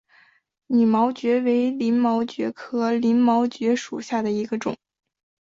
拟岩蕨为鳞毛蕨科鳞毛蕨属下的一个种。